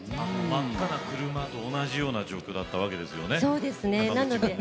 真っ赤な車と同じような状況だったんですね。